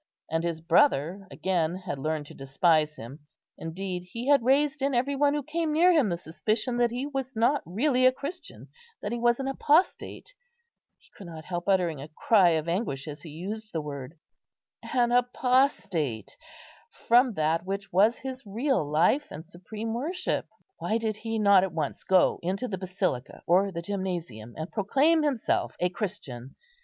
And his brother again had learned to despise him; indeed he had raised in every one who came near him the suspicion that he was not really a Christian, that he was an apostate (he could not help uttering a cry of anguish as he used the word), an apostate from that which was his real life and supreme worship. Why did he not at once go into the Basilica or the Gymnasium, and proclaim himself a Christian?